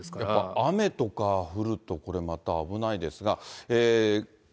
雨とか降ると、これまた危ないですが。